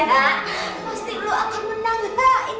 pasti lo akan menang